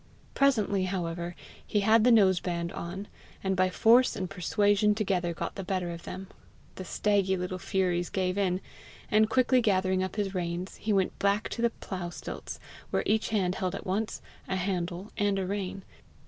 Presently, however, he had the nose band on, and by force and persuasion together got the better of them; the staggy little furies gave in; and quickly gathering up his reins, he went back to the plough stilts, where each hand held at once a handle and a rein.